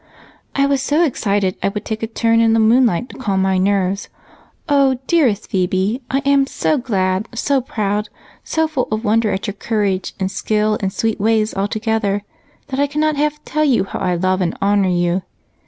"I was so excited I would take a turn in the moonlight to calm my nerves. Oh, dearest Phebe, I am so glad, so proud, so full of wonder at your courage and skill and sweet ways altogether that I cannot half tell you how I love and honor you!"